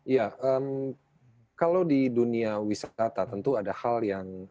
ya kalau di dunia wisata tentu ada hal yang